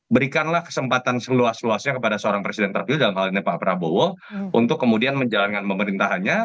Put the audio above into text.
berikanlah kesempatan seluas luasnya kepada seorang presiden terpilih dalam hal ini pak prabowo untuk kemudian menjalankan pemerintahannya